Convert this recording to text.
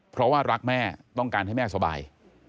เพราะว่ารักแม่ต้องการให้แม่สบาย